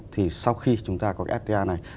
thì sau khi chúng ta có cái fta này